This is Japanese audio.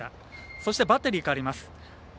そして、バッテリー代わります。